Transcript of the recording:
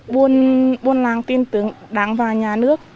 buôn nàng tin tưởng đáng vào nhà nước